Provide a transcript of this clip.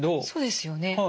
そうですよね